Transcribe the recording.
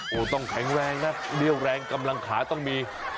้โฮต้องแข็งแรงแร็กกำลังขาต้องมี